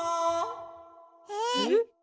えっ？